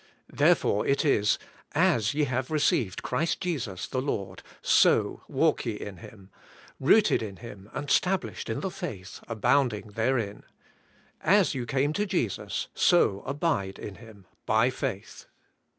Therefore it is: ^Asye have received Christ Jesus the Lord, so walk ye in Him: rooted in Him^ and stablished in thefaith^ abounding therein.' As you came to Jesus, so abide in Him, by faith.